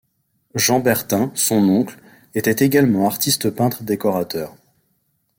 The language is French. Jean Bertin, son oncle, était également artiste peintre décorateur.